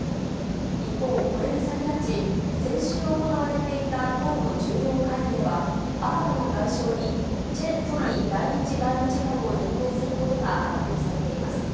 一方、これに先立ち、先週行われていた党の重要会議では、新たな外相にチェ・ソニ第１外務次官を任命することが発表されています。